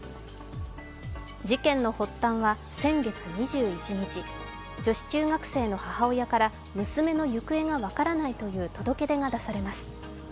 事件の発端は先月２１日、女子中学生の母親から娘の行方が分からないという届け出が出されます。